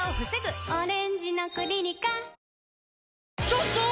ちょっとー！